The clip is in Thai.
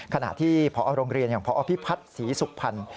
ขณะที่พอโรงเรียนอย่างพอพิพัฒน์ศรีสุพรรณ